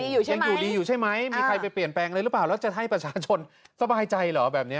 ยังอยู่ดีอยู่ใช่ไหมมีใครไปเปลี่ยนแปลงเลยหรือเปล่าแล้วจะให้ประชาชนสบายใจเหรอแบบนี้